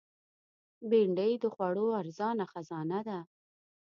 بېنډۍ د خوړو ارزانه خزانه ده